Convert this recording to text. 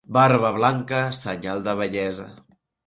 Barba blanca, senyal de vellesa.